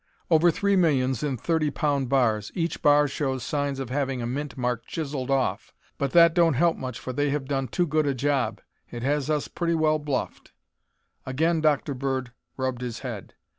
"Over three millions in thirty pound bars. Each bar shows signs of having a mint mark chiselled off, but that don't help much for they have done too good a job. It has us pretty well bluffed." Again Dr. Bird rubbed his head.